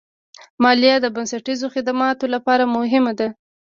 مالیه د بنسټیزو خدماتو لپاره مهمه ده.